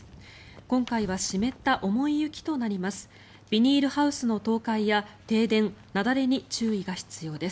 今回は湿った重い雪となります。